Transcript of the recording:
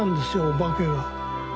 お化けが。